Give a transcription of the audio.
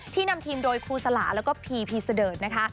นำทีมโดยครูสลาแล้วก็พีพีเสดิร์ดนะคะ